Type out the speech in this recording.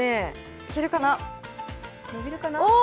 いけるかな、伸びるかな？